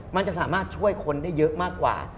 มันจะสามารถช่วยคนได้เยอะมากกว่า